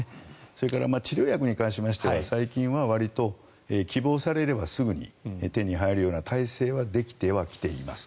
それから、治療薬に関しては最近はわりと希望されればすぐに手に入るような体制はできてはきています。